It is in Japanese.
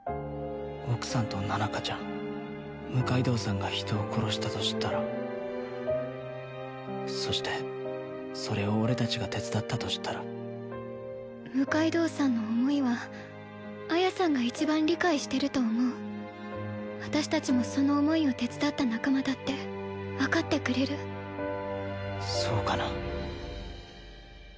奥さんと菜々香ちゃん六階堂さんが人を殺したと知ったらそしてそれを俺達が手伝ったと知ったら六階堂さんの思いはあやさんが一番理解してると思う私達もその思いを手伝った仲間だって分かってくれるそうかな